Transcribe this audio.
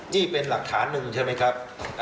นี่เป็นหลักฐานหนึ่งใช่ไหมครับ